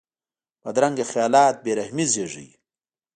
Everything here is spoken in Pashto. بدرنګه خیالات بې رحمي زېږوي